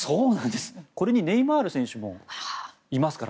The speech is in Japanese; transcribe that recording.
これにネイマール選手もいますから。